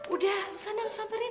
udah lu sana samperin